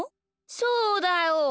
そうだよ！